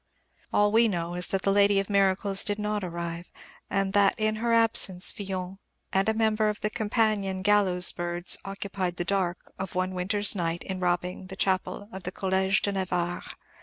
All we know is that the lady of miracles did not arrive, and that in her absence Villon and a member of companion gallows birds occupied the dark of one winter's night in robbing the chapel of the College de Navarre.